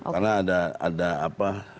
karena ada apa